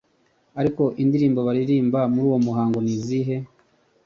ariko indirimbo baririmba muri uwo muhango nizihe ?